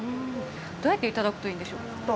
どうやって頂くといいんでしょうか。